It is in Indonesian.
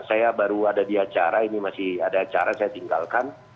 saya baru ada di acara ini masih ada acara saya tinggalkan